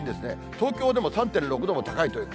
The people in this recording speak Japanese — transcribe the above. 東京でも３．６度も高いという。